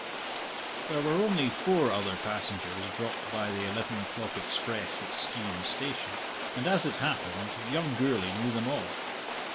There were only four other passengers dropped by the eleven o'clock express at Skeighan station, and, as it happened, young Gourlay knew them all.